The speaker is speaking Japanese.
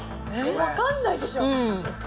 わかんないでしょ。